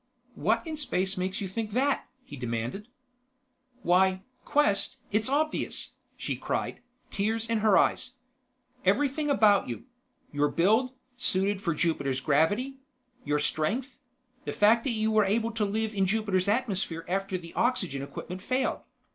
"What in space makes you think that?" he demanded. "Why, Quest, it's obvious," she cried, tears in her eyes. "Everything about you ... your build, suited for Jupiter's gravity ... your strength ... the fact that you were able to live in Jupiter's atmosphere after the oxygen equipment failed.